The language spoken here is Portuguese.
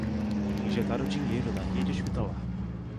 Injetaram dinheiro na rede hospitalar